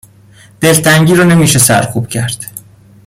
دلتنگی رو نمی شه سرکوب کرد